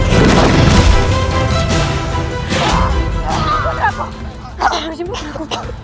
putraku astagfirullahaladzim putraku